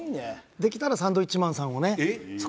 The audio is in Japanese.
できたらサンドウィッチマン物語ですか。